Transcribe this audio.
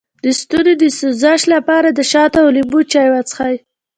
د ستوني د سوزش لپاره د شاتو او لیمو چای وڅښئ